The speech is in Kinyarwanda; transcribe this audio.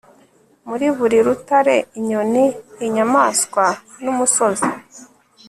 Muri buri rutare inyoni inyamaswa numusozi